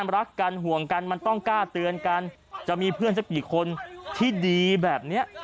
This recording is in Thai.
รักกันห่วงกันมันต้องกล้าเตือนกันจะมีเพื่อนสักกี่คนที่ดีแบบนี้